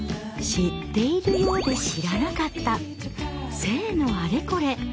知っているようで知らなかった性のあれこれ。